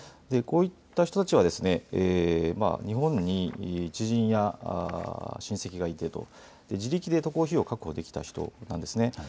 こういった人たちは日本に知人や親戚がいる、そして自力で渡航費用を確保できた人なんです。